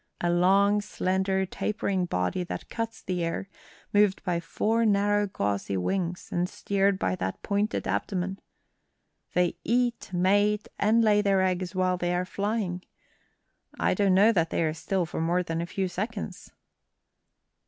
A long, slender, tapering body that cuts the air, moved by four narrow, gauzy wings, and steered by that pointed abdomen. They eat, mate, and lay their eggs while they are flying. I don't know that they are still for more than a few seconds."